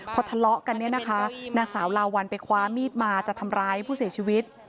พอทะเลาะกันเนี่ยนะคะนางสาวลาวัลไปคว้ามีดมาจะทำร้ายผู้เสียชีวิต